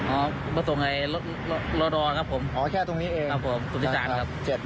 เอ้ามาตรงไหนรถรอครับผมสุดที่จากครับอ๋อแค่ตรงนี้เอง